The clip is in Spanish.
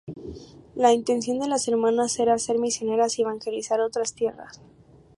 La intención de las hermanas era ser misioneras y evangelizar otras tierras.